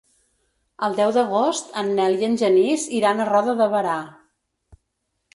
El deu d'agost en Nel i en Genís iran a Roda de Berà.